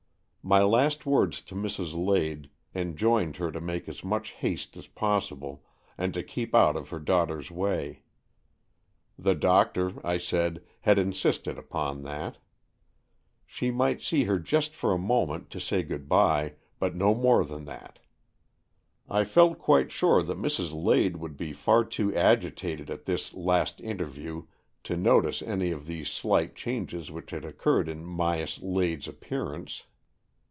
My last words to Mrs. Lade enjoined her to make as much haste as possible, and to keep out of her daughter's way. The doctor, I said, had insisted upon that. She might see her just for a moment, to say good bye, but no more AN EXCHANGE OF SOULS 193 than that. I felt quite sure that Mrs. Lade would be far too agitated at this last inter view to notice any of these slight changes which had occurred in Myas Lade's appear ance.